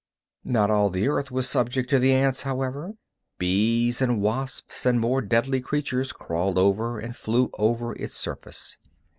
Not all the earth was subject to the ants, however. Bees and wasps and more deadly creatures crawled over and flew above its surface.